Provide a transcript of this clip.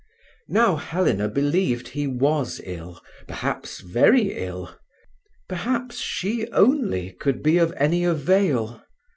Now Helena believed he was ill, perhaps very ill, perhaps she only could be of any avail.